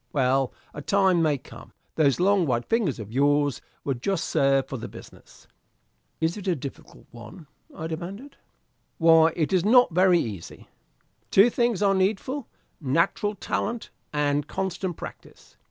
Well, a time may come those long white fingers of yours would just serve for the business." "Is it a difficult one?" I demanded. "Why, it is not very easy. Two things are needful natural talent and constant practice.